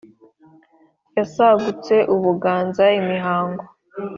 Yasagutse u Buganza imihango